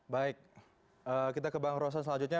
baik kita ke bang rosan selanjutnya